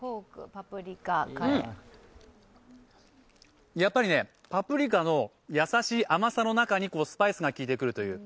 うん、やっぱりね、パプリカの優しい甘さの中にスパイスが効いてくるという。